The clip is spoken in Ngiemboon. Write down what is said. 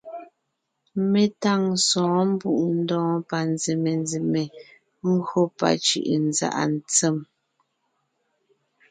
Mé táŋ sɔ̌ɔn Mbùʼndɔɔn panzèmenzème gÿó pacʉ̀ʼʉnzàʼa tsem.